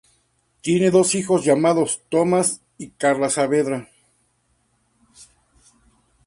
Tiene dos hijos llamados: Tomás y Carla Saavedra.